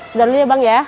sudah dulu ya bang ya